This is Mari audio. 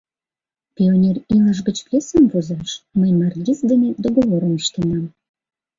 Пионер илыш гыч пьесым возаш мый Маргиз дене договорым ыштенам.